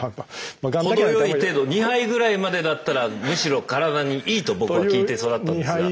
程よい程度２杯ぐらいまでだったらむしろからだにいいと僕は聞いて育ったんですが。